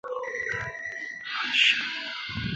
就这样喔好好笑